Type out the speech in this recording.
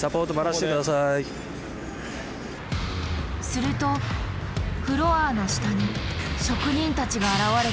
するとフロアの下に職人たちが現れた。